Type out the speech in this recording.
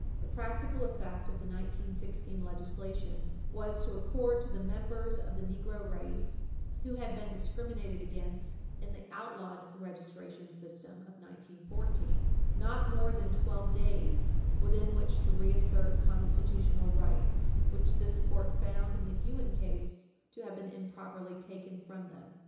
The practical effect of the 1916 legislation was to accord to the members of the negro race who had been discriminated against in the outlawed registration system of 1914 not more than 12 days within which to reassert constitutional rights which this Court found in the Guinn case to have been improperly taken from them.